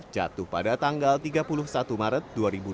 jatuh pada tanggal tiga puluh satu maret dua ribu dua puluh